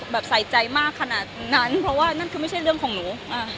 ใส่ใจมากขนาดนั้นเพราะว่านั่นคือไม่ใช่เรื่องของหนู